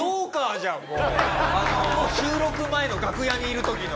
あの収録前の楽屋にいる時の。